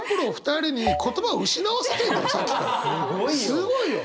すごいよ！